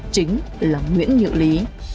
chính là nguyễn nhữ lý